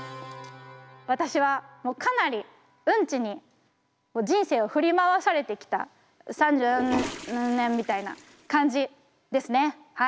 私はもうかなりうんちに人生を振り回されてきた三十うん年みたいな感じですねはい。